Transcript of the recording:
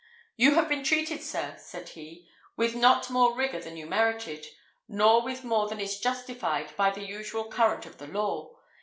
"You have been treated, sir," said he, "with not more rigour than you merited; nor with more than is justified by the usual current of the law.